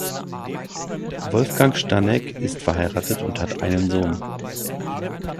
Wolfgang Stanek ist verheiratet und hat einen Sohn.